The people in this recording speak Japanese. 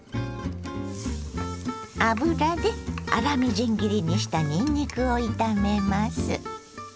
油で粗みじん切りにしたにんにくを炒めます。